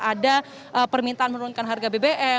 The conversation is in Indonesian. ada permintaan menurunkan harga bbm